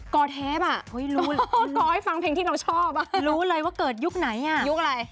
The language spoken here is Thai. อเทปกอให้ฟังเพลงที่เราชอบรู้เลยว่าเกิดยุคไหนยุคอะไร